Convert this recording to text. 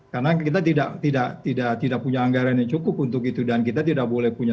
karena kita tidak tidak tidak tidak punya anggaran yang cukup untuk itu dan kita tidak boleh punya